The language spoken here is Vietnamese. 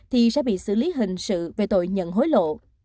thì sẽ bị xử lý hình sự về tội nhận hối lộ